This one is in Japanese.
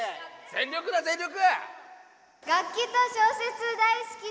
全力だ全力！